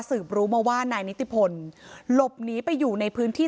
รู้มาว่านายนิติพลหลบหนีไปอยู่ในพื้นที่